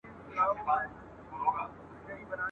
اشاراتو او پېچلو مفاهیمو قرباني کړو `